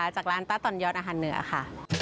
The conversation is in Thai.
จากร้านต้าตอนย้อนอาหารเหนือค่ะ